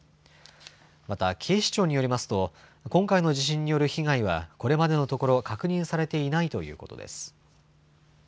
また警視庁によりますと今回の地震による被害はこれまでのところ確認されていないということです。